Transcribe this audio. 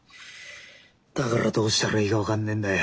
だからどうしたらいいか分かんねえんだよ。